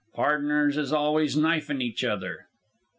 Pardners is always knifin' each other."